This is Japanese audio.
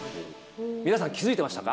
皆さん、気付いてましたか？